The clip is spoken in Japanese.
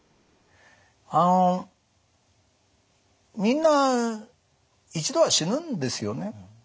あのみんな一度は死ぬんですよね。